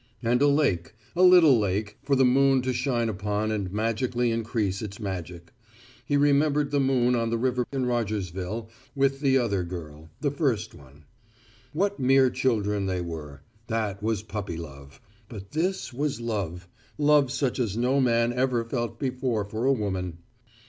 And a lake, a little lake, for the moon to shine upon and magically increase its magic. He remembered the moon on the river back in Rogersville, with the other girl the first one. What mere children they were. That was puppy love, but this was love; love such as no man ever felt before for a woman.